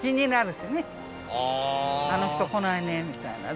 「あの人来ないね」みたいな。